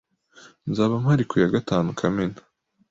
Nzaba mpari ku ya gatanu Kamena.